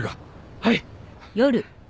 はい。